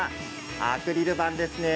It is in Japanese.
アクリル板ですね。